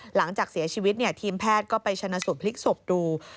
หลังจากเสียชีวิตทีมแพทย์ก็ไปชนะสูตรพลิกศพดู